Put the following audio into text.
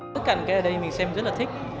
tất cả những cái này mình xem rất là thích